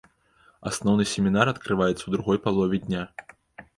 Асноўны семінар адкрываецца ў другой палове дня.